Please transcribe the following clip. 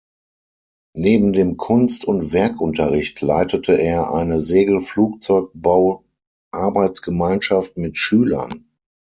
Neben dem Kunst- und Werkunterricht leitete er eine Segelflugzeugbau-Arbeitsgemeinschaft mit Schülern.